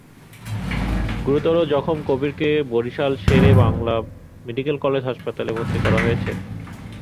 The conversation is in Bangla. গুরুতর জখম কবিরকে বরিশাল শের-ই-বাংলা মেডিকেল কলেজ হাসপাতালে ভর্তি করা হয়েছে।